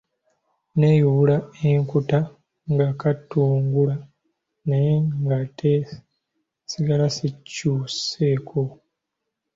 Neeyubula enkuta ng'akatungulu naye ng'ate nsigala sikyuseeko.